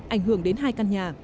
ảnh hưởng đến hai căn nhà